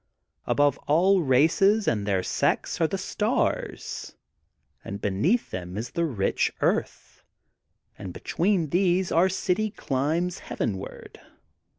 Above all races and their sects are the stars, and beneath them is the rich earth, and be tween these our city climbs heavenward.